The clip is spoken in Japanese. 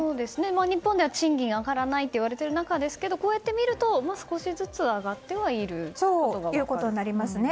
日本では賃金が上がらないといわれている中ですけどこうやって見ると、少しずつ上がっていることが分かりますね。